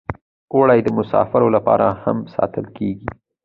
اوړه د مسافرو لپاره هم ساتل کېږي